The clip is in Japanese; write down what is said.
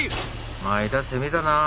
前田攻めたなあ。